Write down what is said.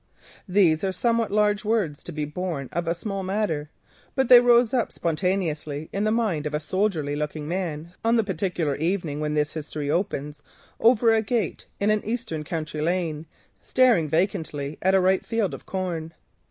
These are somewhat large thoughts to be born of a small matter, but they rose up spontaneously in the mind of a soldierly looking man who, on the particular evening when this history opens, was leaning over a gate in an Eastern county lane, staring vacantly at a field of ripe corn.